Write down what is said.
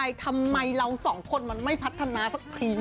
แล้วเป็นเพราะอะไรทำไมเราสองคนมันไม่พัฒนาสักที